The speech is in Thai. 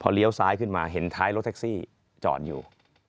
เลี้ยวซ้ายขึ้นมาเห็นท้ายรถแท็กซี่จอดอยู่